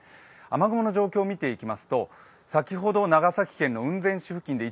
雨雲の状況を見ていきますと先ほど長崎県の雲仙市付近で